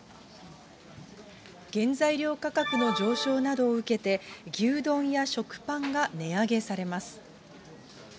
原材料価格の上昇などを受けて、牛丼や食パンが値上げされます。